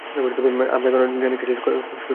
তাই এখন আমরা জানি আমরা কিসের খোঁজ করছি।